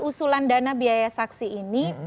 usulan dana biaya saksi ini